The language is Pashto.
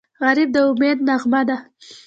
غریب د امید نغمه ده